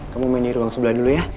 kamu main di ruang sebelah dulu ya